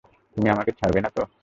তুমি আমাকে ছাড়বে না তো?